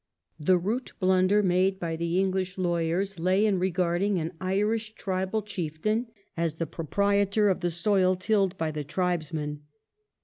The root blunder made by the English lawyers lay in regarding an Irish tribal chieftain as the proprietor of the soil tilled by the tribesmen.